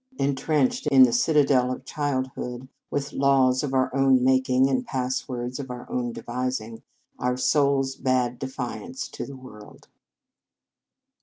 En trenched in the citadel of childhood, with laws of our own making, and passwords of our own devising, our souls bade defiance to the world.